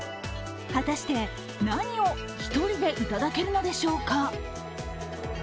果たして、何を１人でいただけるのでしょうか？